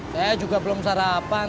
saya juga belum sarapan